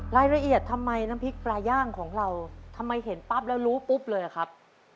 รายละเอียดทำไมน้ำพริกปลาย่างของเราทำไมเห็นปั๊บแล้วรู้ปุ๊บเลยอะครับ